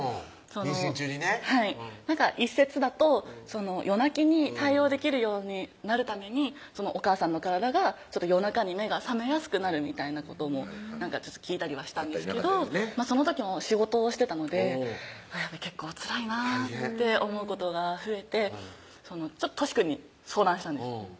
妊娠中にねはい一説だと夜泣きに対応できるようになるためにお母さんの体が夜中に目が覚めやすくなるみたいなことも聞いたりはしたんですけどその時も仕事をしてたので結構つらいなぁって思うことが増えてとしくんに相談したんです